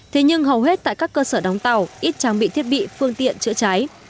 thế nhưng hầu hết tại các cơ sở đóng tàu ít trang bị thiết bị phương tiện chữa cháy